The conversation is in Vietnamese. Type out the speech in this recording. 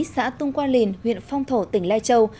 xã tung qua lìn huyện phong thổ tỉnh lai châu